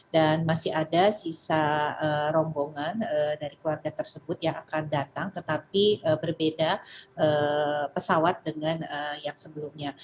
dan masih ada sisa rombongan dari keluarga tersebut yang akan datang tetapi berbeda pesawat dengan yang sebelumnya